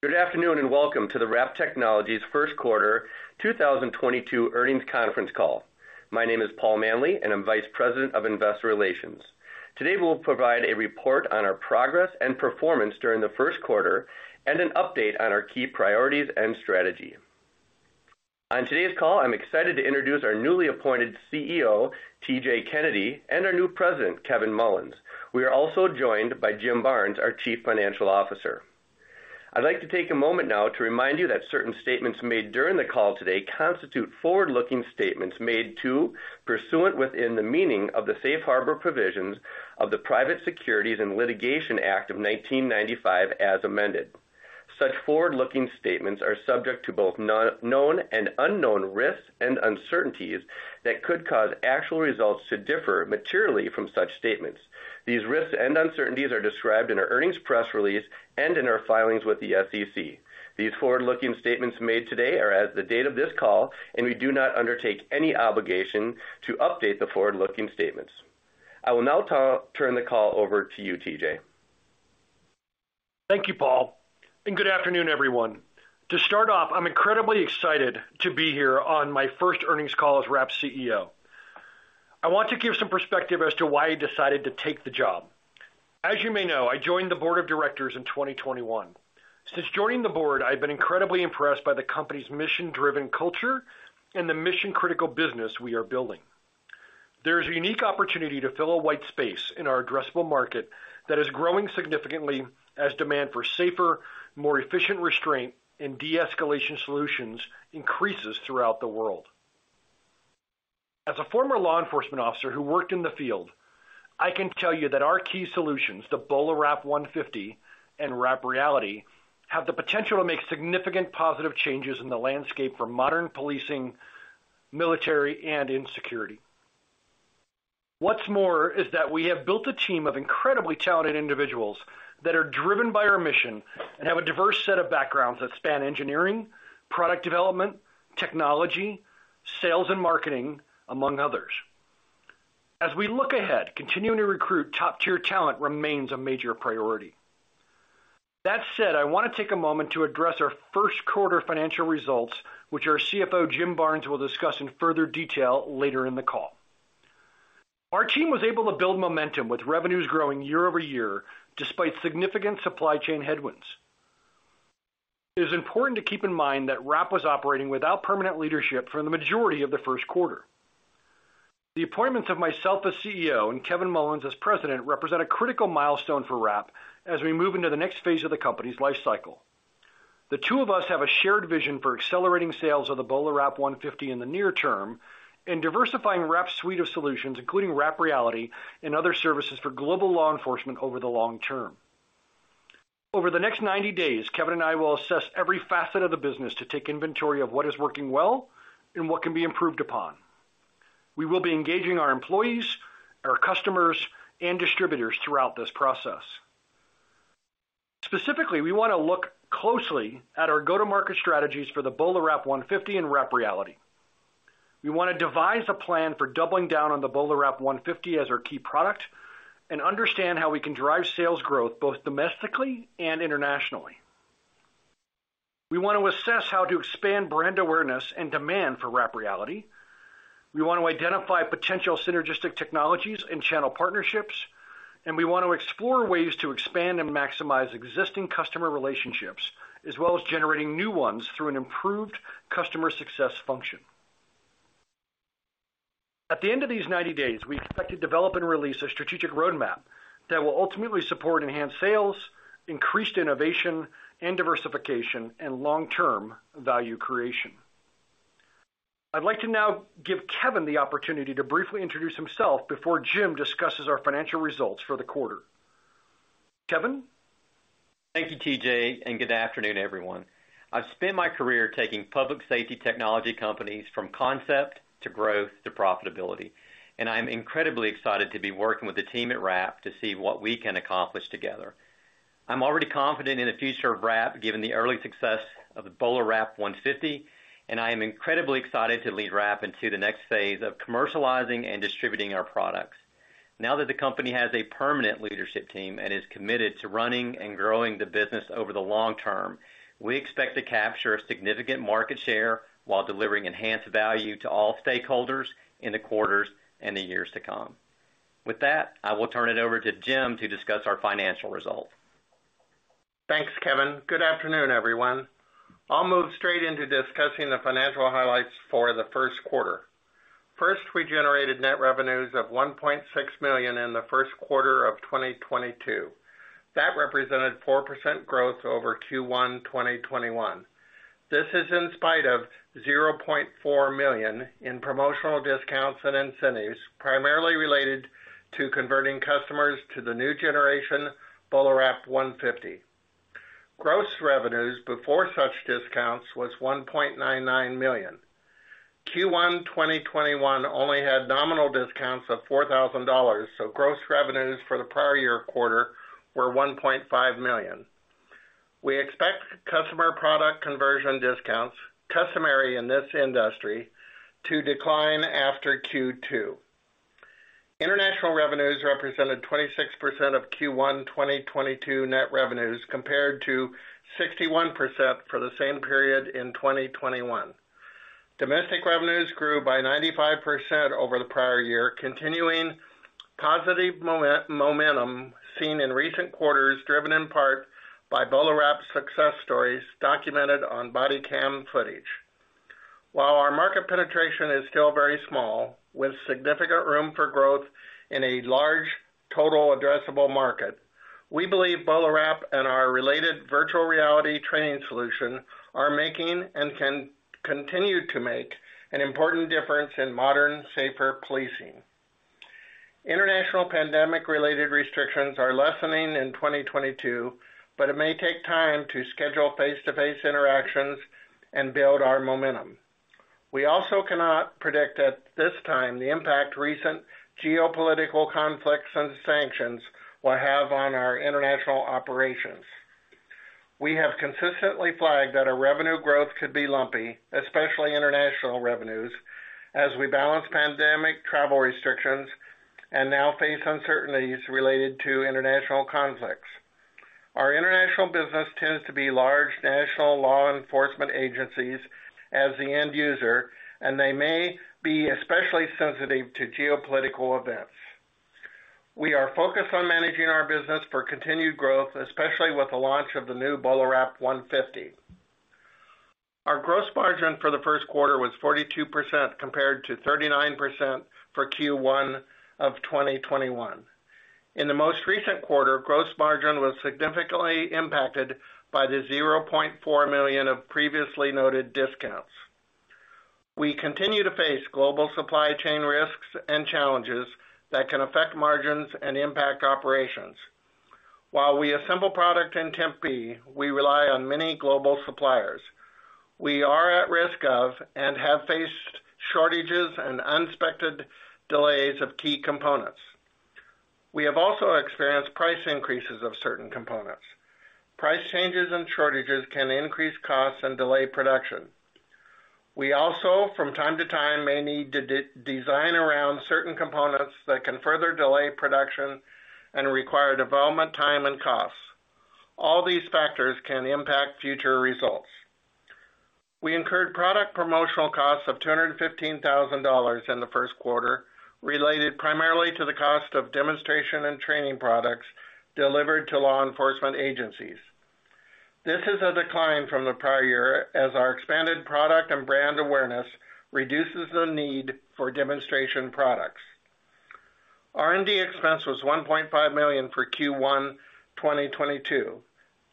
Good afternoon, and welcome to the Wrap Technologies first quarter 2022 earnings conference call. My name is Paul Manley, and I'm Vice President of Investor Relations. Today, we'll provide a report on our progress and performance during the first quarter, and an update on our key priorities and strategy. On today's call, I'm excited to introduce our newly appointed CEO, TJ Kennedy, and our new President, Kevin Mullins. We are also joined by Jim Barnes, our Chief Financial Officer. I'd like to take a moment now to remind you that certain statements made during the call today constitute forward-looking statements made pursuant within the meaning of the safe harbor provisions of the Private Securities Litigation Reform Act of 1995, as amended. Such forward-looking statements are subject to both known and unknown risks and uncertainties that could cause actual results to differ materially from such statements. These risks and uncertainties are described in our earnings press release and in our filings with the SEC. These forward-looking statements made today are as of the date of this call, and we do not undertake any obligation to update the forward-looking statements. I will now turn the call over to you, TJ. Thank you, Paul, and good afternoon, everyone. To start off, I'm incredibly excited to be here on my first earnings call as Wrap CEO. I want to give some perspective as to why I decided to take the job. As you may know, I joined the board of directors in 2021. Since joining the board, I've been incredibly impressed by the company's mission-driven culture and the mission-critical business we are building. There's a unique opportunity to fill a white space in our addressable market that is growing significantly as demand for safer, more efficient restraint and de-escalation solutions increases throughout the world. As a former law enforcement officer who worked in the field, I can tell you that our key solutions, the BolaWrap 150 and WrapReality, have the potential to make significant positive changes in the landscape for modern policing, military, and in security. What's more is that we have built a team of incredibly talented individuals that are driven by our mission and have a diverse set of backgrounds that span engineering, product development, technology, sales and marketing, among others. As we look ahead, continuing to recruit top-tier talent remains a major priority. That said, I wanna take a moment to address our first quarter financial results, which our CFO, Jim Barnes, will discuss in further detail later in the call. Our team was able to build momentum with revenues growing year-over-year despite significant supply chain headwinds. It is important to keep in mind that Wrap was operating without permanent leadership for the majority of the first quarter. The appointments of myself as CEO and Kevin Mullins as president represent a critical milestone for Wrap as we move into the next phase of the company's life cycle. The two of us have a shared vision for accelerating sales of the BolaWrap 150 in the near term and diversifying Wrap's suite of solutions, including WrapReality and other services for global law enforcement over the long term. Over the next 90 days, Kevin and I will assess every facet of the business to take inventory of what is working well and what can be improved upon. We will be engaging our employees, our customers, and distributors throughout this process. Specifically, we wanna look closely at our go-to-market strategies for the BolaWrap 150 and WrapReality. We wanna devise a plan for doubling down on the BolaWrap 150 as our key product and understand how we can drive sales growth both domestically and internationally. We want to assess how to expand brand awareness and demand for WrapReality. We want to identify potential synergistic technologies and channel partnerships, and we want to explore ways to expand and maximize existing customer relationships, as well as generating new ones through an improved customer success function. At the end of these 90 days, we expect to develop and release a strategic roadmap that will ultimately support enhanced sales, increased innovation and diversification, and long-term value creation. I'd like to now give Kevin the opportunity to briefly introduce himself before Jim discusses our financial results for the quarter. Kevin? Thank you, TJ, and good afternoon, everyone. I've spent my career taking public safety technology companies from concept to growth to profitability, and I'm incredibly excited to be working with the team at Wrap to see what we can accomplish together. I'm already confident in the future of Wrap, given the early success of the BolaWrap 150, and I am incredibly excited to lead Wrap into the next phase of commercializing and distributing our products. Now that the company has a permanent leadership team and is committed to running and growing the business over the long term, we expect to capture a significant market share while delivering enhanced value to all stakeholders in the quarters and the years to come. With that, I will turn it over to Jim to discuss our financial results. Thanks, Kevin. Good afternoon, everyone. I'll move straight into discussing the financial highlights for the first quarter. First, we generated net revenues of $1.6 million in the first quarter of 2022. That represented 4% growth over Q1 2021. This is in spite of $0.4 million in promotional discounts and incentives, primarily related to converting customers to the new generation BolaWrap 150. Gross revenues before such discounts was $1.99 million. Q1 2021 only had nominal discounts of $4,000, so gross revenues for the prior year quarter were $1.5 million. We expect customer product conversion discounts customary in this industry to decline after Q2. Revenues represented 26% of Q1 2022 net revenues, compared to 61% for the same period in 2021. Domestic revenues grew by 95% over the prior year, continuing positive momentum seen in recent quarters, driven in part by BolaWrap success stories documented on body cam footage. While our market penetration is still very small, with significant room for growth in a large total addressable market, we believe BolaWrap and our related virtual reality training solution are making, and can continue to make, an important difference in modern, safer policing. International pandemic-related restrictions are lessening in 2022, but it may take time to schedule face-to-face interactions and build our momentum. We also cannot predict at this time the impact recent geopolitical conflicts and sanctions will have on our international operations. We have consistently flagged that our revenue growth could be lumpy, especially international revenues, as we balance pandemic travel restrictions and now face uncertainties related to international conflicts. Our international business tends to be large national law enforcement agencies as the end user, and they may be especially sensitive to geopolitical events. We are focused on managing our business for continued growth, especially with the launch of the new BolaWrap 150. Our gross margin for the first quarter was 42%, compared to 39% for Q1 of 2021. In the most recent quarter, gross margin was significantly impacted by the $0.4 million of previously noted discounts. We continue to face global supply chain risks and challenges that can affect margins and impact operations. While we assemble product in Tempe, we rely on many global suppliers. We are at risk of, and have faced shortages and unexpected delays of key components. We have also experienced price increases of certain components. Price changes and shortages can increase costs and delay production. We also, from time to time, may need to de-design around certain components that can further delay production and require development time and costs. All these factors can impact future results. We incurred product promotional costs of $215,000 in the first quarter, related primarily to the cost of demonstration and training products delivered to law enforcement agencies. This is a decline from the prior year as our expanded product and brand awareness reduces the need for demonstration products. R&D expense was $1.5 million for Q1 2022.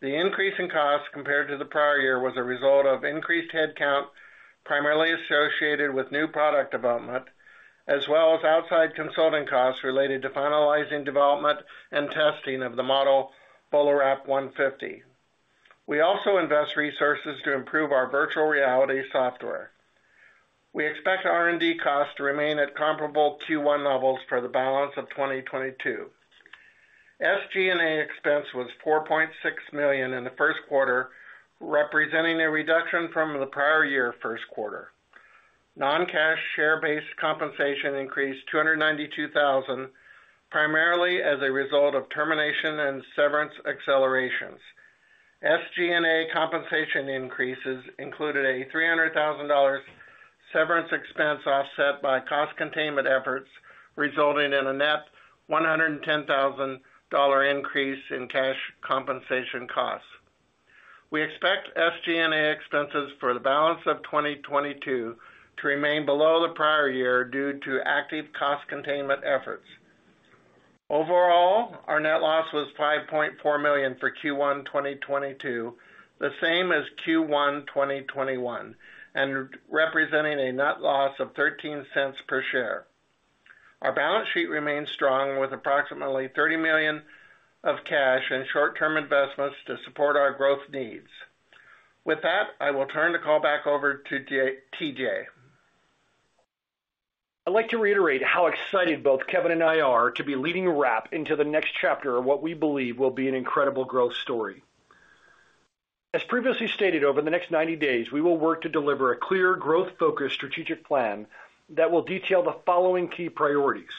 The increase in cost compared to the prior year was a result of increased headcount, primarily associated with new product development, as well as outside consulting costs related to finalizing development and testing of the model BolaWrap 150. We also invest resources to improve our virtual reality software. We expect R&D costs to remain at comparable Q1 levels for the balance of 2022. SG&A expense was $4.6 million in the first quarter, representing a reduction from the prior year first quarter. Non-cash share-based compensation increased $292,000, primarily as a result of termination and severance accelerations. SG&A compensation increases included a $300,000 severance expense offset by cost containment efforts, resulting in a net $110,000 increase in cash compensation costs. We expect SG&A expenses for the balance of 2022 to remain below the prior year due to active cost containment efforts. Overall, our net loss was $5.4 million for Q1 2022, the same as Q1 2021, and representing a net loss of $0.13 per share. Our balance sheet remains strong with approximately $30 million of cash and short-term investments to support our growth needs. With that, I will turn the call back over to TJ. I'd like to reiterate how excited both Kevin and I are to be leading Wrap into the next chapter of what we believe will be an incredible growth story. As previously stated, over the next 90 days, we will work to deliver a clear, growth-focused strategic plan that will detail the following key priorities,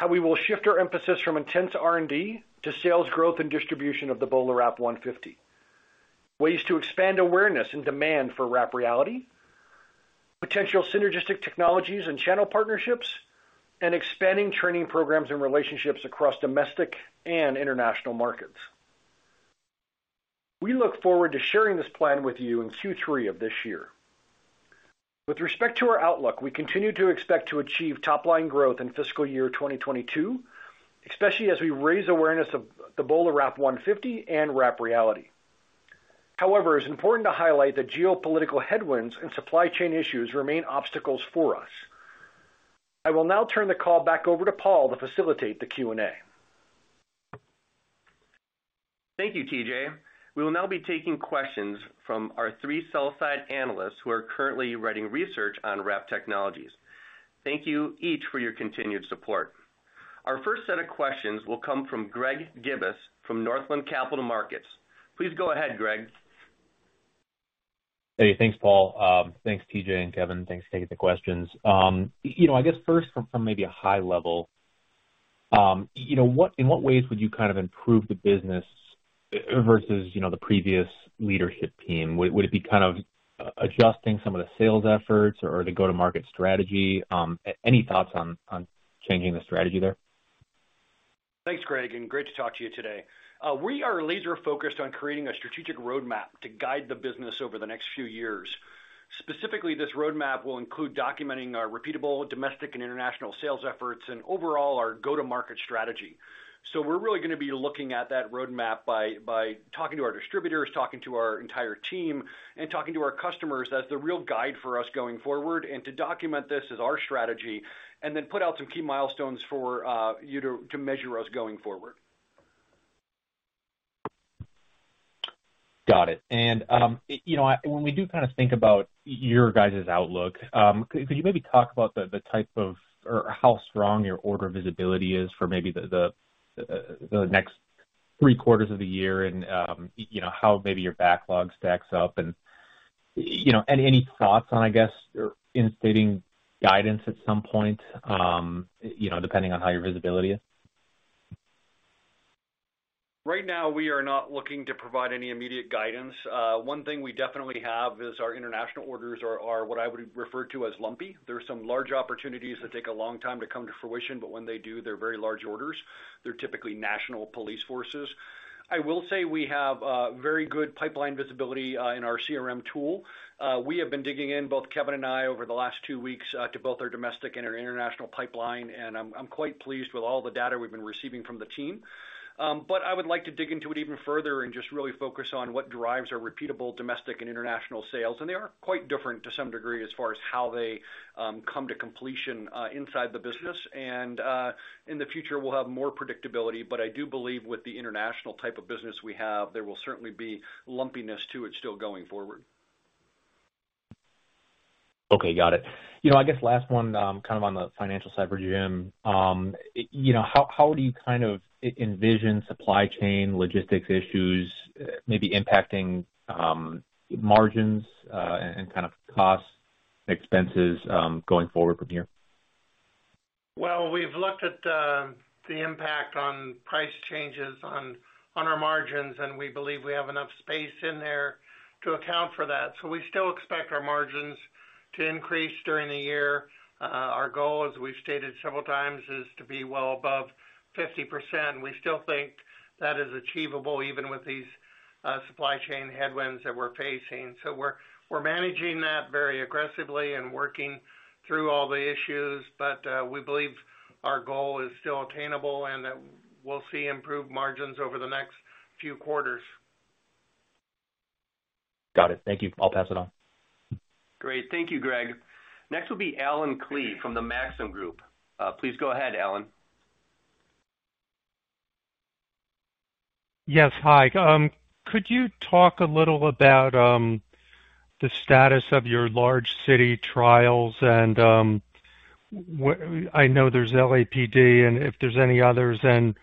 how we will shift our emphasis from intense R&D to sales growth and distribution of the BolaWrap 150, ways to expand awareness and demand for WrapReality, potential synergistic technologies and channel partnerships, and expanding training programs and relationships across domestic and international markets. We look forward to sharing this plan with you in Q3 of this year. With respect to our outlook, we continue to expect to achieve top-line growth in fiscal year 2022, especially as we raise awareness of the BolaWrap 150 and WrapReality. However, it's important to highlight that geopolitical headwinds and supply chain issues remain obstacles for us. I will now turn the call back over to Paul to facilitate the Q&A. Thank you, TJ. We will now be taking questions from our three sell-side analysts who are currently writing research on Wrap Technologies. Thank you each for your continued support. Our first set of questions will come from Greg Gibas from Northland Capital Markets. Please go ahead, Greg. Hey, thanks, Paul. Thanks TJ and Kevin. Thanks for taking the questions. You know, I guess first from maybe a high level, you know, in what ways would you kind of improve the business versus, you know, the previous leadership team? Would it be kind of adjusting some of the sales efforts or the go-to-market strategy? Any thoughts on changing the strategy there? Thanks, Greg, and great to talk to you today. We are laser focused on creating a strategic roadmap to guide the business over the next few years. Specifically, this roadmap will include documenting our repeatable domestic and international sales efforts and overall our go-to-market strategy. We're really gonna be looking at that roadmap by talking to our distributors, talking to our entire team, and talking to our customers as the real guide for us going forward and to document this as our strategy, and then put out some key milestones for you to measure us going forward. Got it. You know, when we do kinda think about your guys' outlook, could you maybe talk about the type of or how strong your order visibility is for maybe the next three quarters of the year and, you know, how maybe your backlog stacks up? You know, any thoughts on, I guess, issuing guidance at some point, you know, depending on how your visibility is? Right now, we are not looking to provide any immediate guidance. One thing we definitely have is our international orders are what I would refer to as lumpy. There are some large opportunities that take a long time to come to fruition, but when they do, they're very large orders. They're typically national police forces. I will say we have very good pipeline visibility in our CRM tool. We have been digging in, both Kevin and I, over the last two weeks, to both our domestic and our international pipeline, and I'm quite pleased with all the data we've been receiving from the team. I would like to dig into it even further and just really focus on what drives our repeatable domestic and international sales. They are quite different to some degree as far as how they come to completion inside the business. In the future, we'll have more predictability, but I do believe with the international type of business we have, there will certainly be lumpiness to it still going forward. Okay, got it. You know, I guess last one, kind of on the financial side for Jim. You know, how do you kind of envision supply chain logistics issues maybe impacting margins, and kind of costs, expenses, going forward from here? Well, we've looked at the impact on price changes on our margins, and we believe we have enough space in there to account for that. We still expect our margins to increase during the year. Our goal, as we've stated several times, is to be well above 50%. We still think that is achievable even with these supply chain headwinds that we're facing. We're managing that very aggressively and working through all the issues. We believe our goal is still attainable and that we'll see improved margins over the next few quarters. Got it. Thank you. I'll pass it on. Great. Thank you, Greg. Next will be Allen Klee from the Maxim Group. Please go ahead, Allen. Yes, hi. Could you talk a little about the status of your large city trials and what I know there's LAPD and if there's any others, and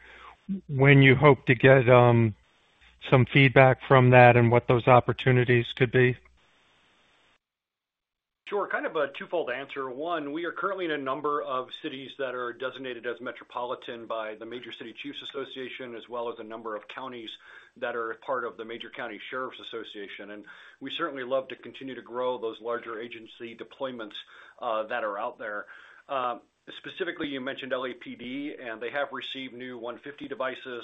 when you hope to get some feedback from that and what those opportunities could be? Sure. Kind of a twofold answer. One, we are currently in a number of cities that are designated as metropolitan by the Major Cities Chiefs Association, as well as a number of counties that are part of the Major County Sheriffs of America. We certainly love to continue to grow those larger agency deployments that are out there. Specifically, you mentioned LAPD, and they have received new 150 devices.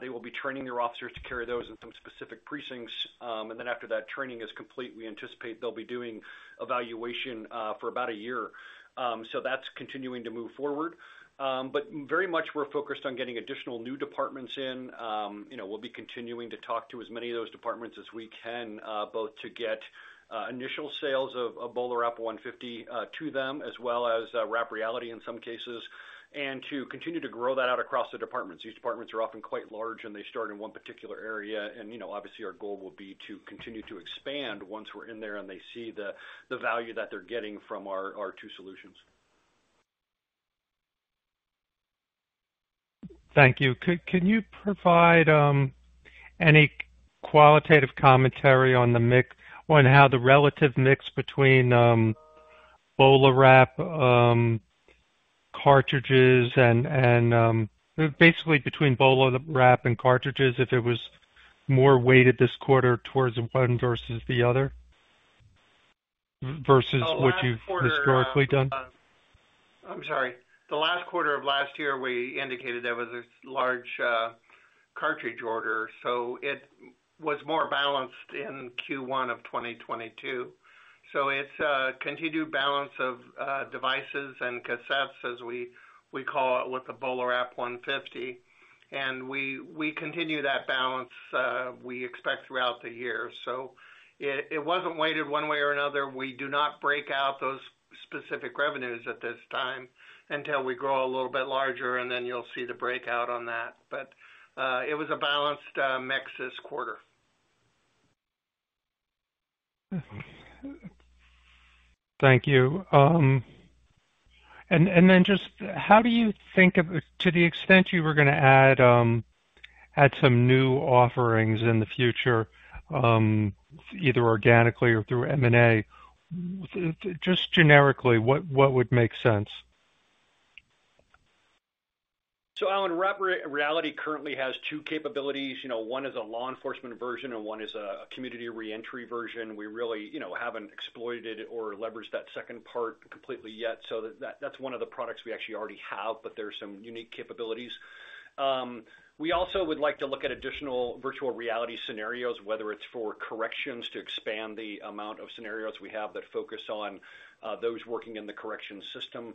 They will be training their officers to carry those in some specific precincts. Then after that training is complete, we anticipate they'll be doing evaluation for about a year. That's continuing to move forward. Very much we're focused on getting additional new departments in. You know, we'll be continuing to talk to as many of those departments as we can, both to get initial sales of BolaWrap 150 to them, as well as WrapReality in some cases, and to continue to grow that out across the departments. These departments are often quite large, and they start in one particular area. You know, obviously, our goal will be to continue to expand once we're in there and they see the value that they're getting from our two solutions. Thank you. Can you provide any qualitative commentary on the mix on how the relative mix between BolaWrap cartridges and basically between BolaWrap and cartridges if it was more weighted this quarter towards one versus the other versus what you've historically done? The last quarter of last year, we indicated there was a large cartridge order, so it was more balanced in Q1 of 2022. It's a continued balance of devices and cartridges, as we call it with the BolaWrap 150. We continue that balance we expect throughout the year. It wasn't weighted one way or another. We do not break out those specific revenues at this time until we grow a little bit larger, and then you'll see the breakout on that. It was a balanced mix this quarter. Thank you. Just how do you think of to the extent you were gonna add some new offerings in the future, either organically or through M&A, just generically, what would make sense? Allen, WrapReality currently has two capabilities. You know, one is a law enforcement version and one is a community reentry version. We really, you know, haven't exploited or leveraged that second part completely yet. That, that's one of the products we actually already have, but there are some unique capabilities. We also would like to look at additional virtual reality scenarios, whether it's for corrections to expand the amount of scenarios we have that focus on, those working in the correction system.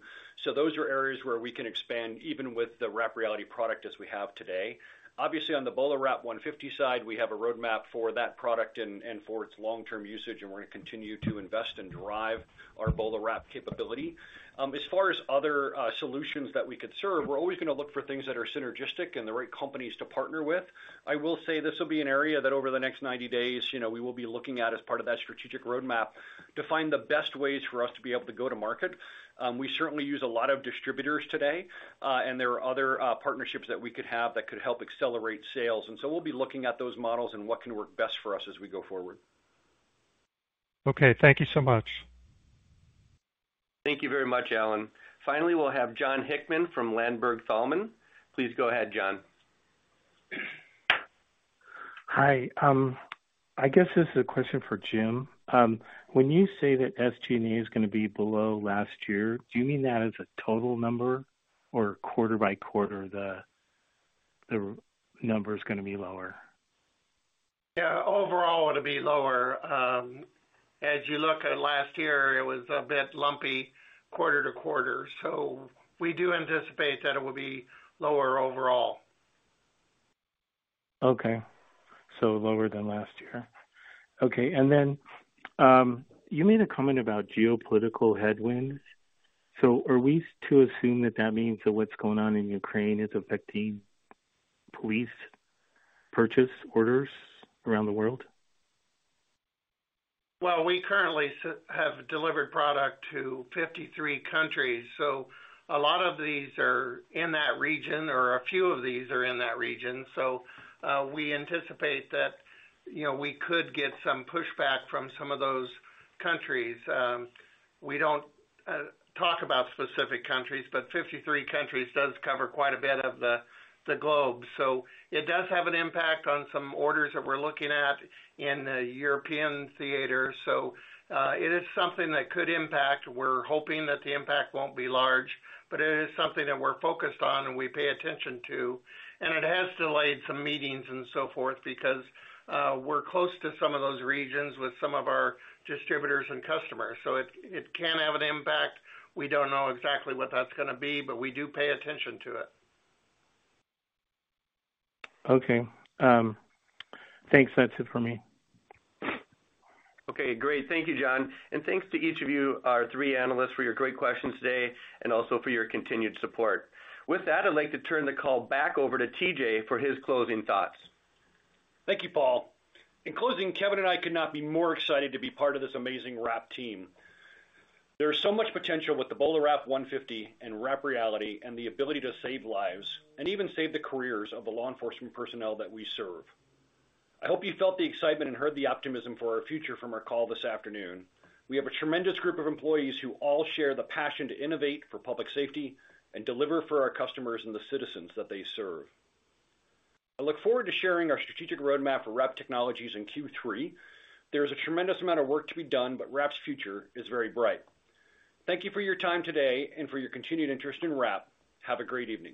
Those are areas where we can expand even with the WrapReality product as we have today. Obviously, on the BolaWrap 150 side, we have a roadmap for that product and for its long-term usage, and we're gonna continue to invest and drive our BolaWrap capability. As far as other solutions that we could serve, we're always gonna look for things that are synergistic and the right companies to partner with. I will say this will be an area that over the next 90 days, you know, we will be looking at as part of that strategic roadmap to find the best ways for us to be able to go to market. We certainly use a lot of distributors today, and there are other partnerships that we could have that could help accelerate sales, and so we'll be looking at those models and what can work best for us as we go forward. Okay. Thank you so much. Thank you very much, Allen. Finally, we'll have Jon Hickman from Ladenburg Thalmann. Please go ahead, Jon. Hi. I guess this is a question for Jim. When you say that SG&A is gonna be below last year, do you mean that as a total number or quarter by quarter the number is gonna be lower? Yeah. Overall, to be lower. As you look at last year, it was a bit lumpy quarter to quarter. We do anticipate that it will be lower overall. Okay. Lower than last year. Okay. Then, you made a comment about geopolitical headwinds. Are we to assume that that means that what's going on in Ukraine is affecting police purchase orders around the world? Well, we currently have delivered product to 53 countries, so a lot of these are in that region or a few of these are in that region. We anticipate that, you know, we could get some pushback from some of those countries. We don't talk about specific countries, but 53 countries does cover quite a bit of the globe. It does have an impact on some orders that we're looking at in the European theater. It is something that could impact. We're hoping that the impact won't be large, but it is something that we're focused on and we pay attention to, and it has delayed some meetings and so forth because we're close to some of those regions with some of our distributors and customers. It can have an impact. We don't know exactly what that's gonna be, but we do pay attention to it. Okay. Thanks. That's it for me. Okay, great. Thank you, Jon. Thanks to each of you, our three analysts for your great questions today, and also for your continued support. With that, I'd like to turn the call back over to TJ for his closing thoughts. Thank you, Paul. In closing, Kevin and I could not be more excited to be part of this amazing Wrap team. There is so much potential with the BolaWrap 150 and WrapReality, and the ability to save lives and even save the careers of the law enforcement personnel that we serve. I hope you felt the excitement and heard the optimism for our future from our call this afternoon. We have a tremendous group of employees who all share the passion to innovate for public safety and deliver for our customers and the citizens that they serve. I look forward to sharing our strategic roadmap for Wrap Technologies in Q3. There is a tremendous amount of work to be done, but Wrap's future is very bright. Thank you for your time today and for your continued interest in Wrap. Have a great evening.